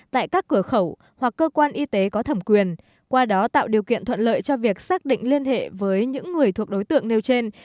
tại các cửa khẩu hoặc cơ quan y tế có thẩm quyền qua đó tạo điều kiện thuận lợi cho việc xác định liên hệ với những người thuộc đối tượng nêu trên